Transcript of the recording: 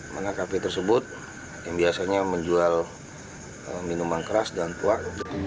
mana kafe tersebut yang biasanya menjual minuman keras dan tuak